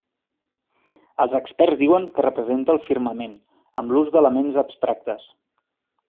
Els experts diuen que representa el firmament, amb l'ús d'elements abstractes.